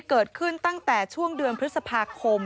เกิดขึ้นตั้งแต่ช่วงเดือนพฤษภาคม